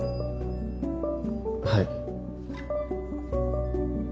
はい。